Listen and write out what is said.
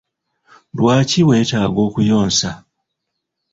Lwaki wetaaga okuyonsa?